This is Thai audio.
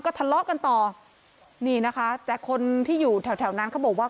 ทะเลาะกันต่อนี่นะคะแต่คนที่อยู่แถวแถวนั้นเขาบอกว่า